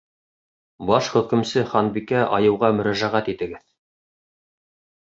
Баш хөкөмсө Ханбикә айыуға мөрәжәғәт итегеҙ.